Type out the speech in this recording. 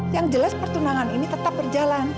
yang jelas pertunangan ini tetap berjalan